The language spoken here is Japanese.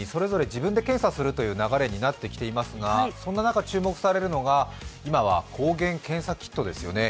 自分で検査するという流れになってきていますがそんな中注目されるのが、今は抗原検査キットですよね。